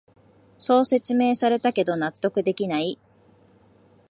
そう説明されたけど納得できない